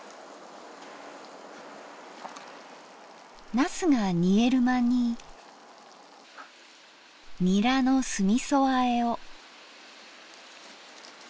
なすが煮える間にニラの酢みそあえを。